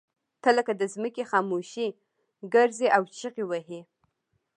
ته لکه د ځمکې خاموشي ګرځې او چغې وهې.